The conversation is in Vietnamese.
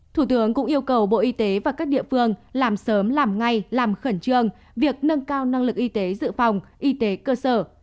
thủ tướng cũng yêu cầu bộ y tế và các địa phương làm sớm làm ngay làm khẩn trương việc nâng cao năng lực y tế dự phòng y tế cơ sở